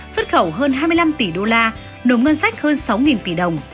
xuất khẩu hơn hai mươi năm tỷ đô la nộp ngân sách hơn sáu tỷ đồng